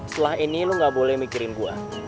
setelah ini lo gak boleh mikirin buah